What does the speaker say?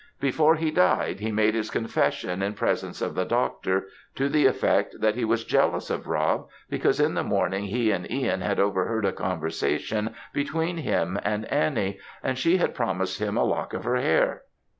Before he died, he made his confession in presence of the doctor, to the effect, that he was jealous of Rob, because in the morning he and Ihan had overheard a conversation between him and Annie, and she had promised him a lock of her hair.